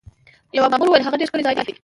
یوه مامور وویل: هغه ډېر ښکلی ځای دی.